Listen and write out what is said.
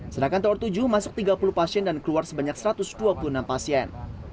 sedangkan tower tujuh masuk tiga puluh pasien dan keluar sebanyak satu ratus dua puluh enam pasien